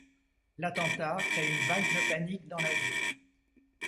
L'attentat crée une vague de panique dans la ville.